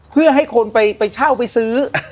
เพื่อให้คนไปเช่าไปซื้อ